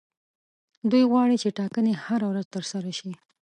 دوی غواړي چې ټاکنې هره ورځ ترسره شي.